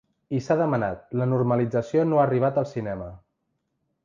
I s’ha demanat: La normalització no ha arribat al cinema.